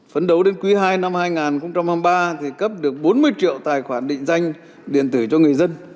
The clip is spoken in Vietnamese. phấn đấu đến quý ii năm hai nghìn hai mươi ba thì cấp được bốn mươi triệu tài khoản định danh điện tử cho người dân